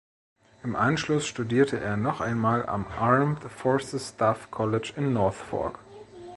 Im Anschluss studierte er noch einmal am Armed Forces Staff College in Norfolk.